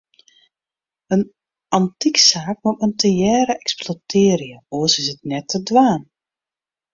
In antyksaak moat men tegearre eksploitearje, oars is it net te dwaan.